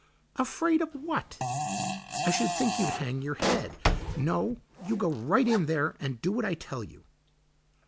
"Afraid of what? I should think you'd hang your head. No; you go right in there and do what I tell you."